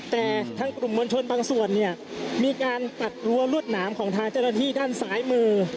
แต่ทางกลุ่มมวลชนบางส่วนเนี่ยมีการตัดรั้วรวดหนามของทางเจ้าหน้าที่ด้านซ้ายมือ